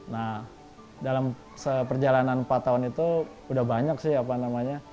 nah dalam seperjalanan empat tahun itu udah banyak sih apa namanya